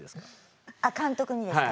あ監督にですか？